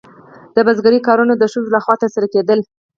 د بزګرۍ کارونه د ښځو لخوا ترسره کیدل.